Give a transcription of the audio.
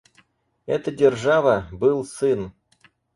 Эта держава — был сын.